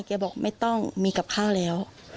บอกไม่ต้องมีกับข้าวแล้ว